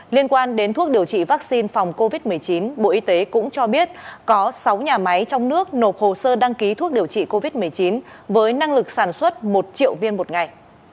liên quan đến thuốc điều trị vaccine phòng covid một mươi chín bộ y tế cũng cho biết có sáu nhà máy trong nước nộp hồ sơ đăng ký thuốc điều trị covid một mươi chín với năng lực sản xuất một triệu viên một ngày